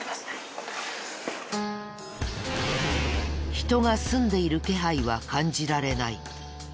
人が住んでいる気配は感じられない。